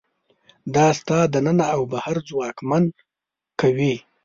دا ستا دننه او بهر ځواکمن کوي.